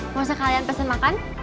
nggak usah kalian pesen makan